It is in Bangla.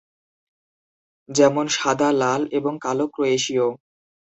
যেমন, সাদা, লাল এবং কালো ক্রোয়েশীয়।